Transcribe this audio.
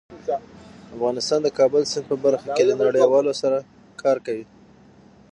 افغانستان د کابل سیند په برخه کې له نړیوالو سره کار کوي.